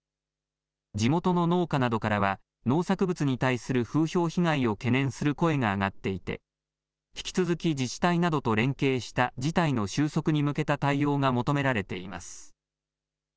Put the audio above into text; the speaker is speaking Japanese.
地元の農家などからは、農作物に対する風評被害を懸念する声が上がっていて、引き続き、自治体などと連携した事態の収束に向けた対応が求められています。